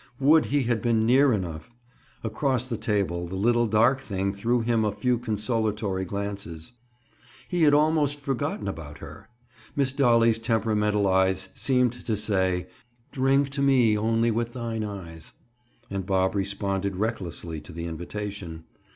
Would he had been near enough! Across the table, the little dark thing threw him a few consolatory glances. He had almost forgotten about her. Miss Dolly's temperamental eyes seemed to say "Drink to me only with thine eyes," and Bob responded recklessly to the invitation.